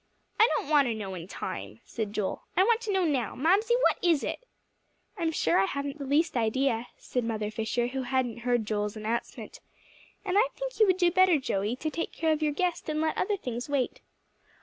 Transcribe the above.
"I don't want to know in time," said Joel, "I want to know now. Mamsie, what is it?" "I'm sure I haven't the least idea," said Mother Fisher, who hadn't heard Joel's announcement. "And I think you would do better, Joey, to take care of your guest, and let other things wait."